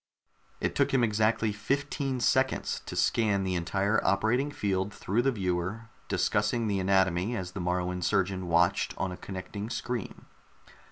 It took him exactly fifteen seconds to scan the entire operating field through the viewer, discussing the anatomy as the Moruan surgeon watched on a connecting screen.